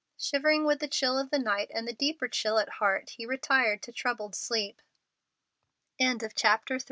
Shivering with the chill of the night and the deeper chill at heart, he retired to troubled sleep. CHAPTER IV HOW MISS WAL